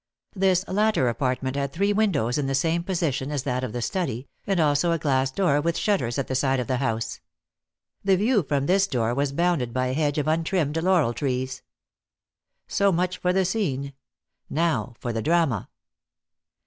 This latter apartment had three windows in the same position as that of the study, and also a glass door with shutters at the side of the house. The view from this door was bounded by a hedge of untrimmed laurel trees. So much for the scene. Now for the drama.